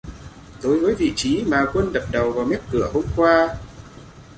Đối với vị trí mà Quân đập đầu vào mép cửa hôm qua